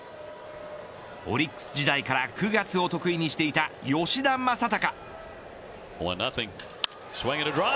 オリックス時代から９月を得意にしていた吉田正尚。